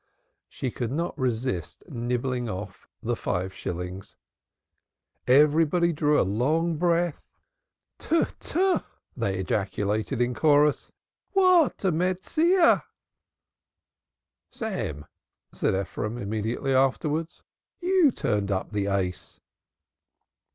She could not resist nibbling off the five shillings. Everybody drew a long breath. "Tu! Tu!" they ejaculated in chorus. "What a Metsiah!" "Sam," said Ephraim immediately afterwards, "You turned up the ace."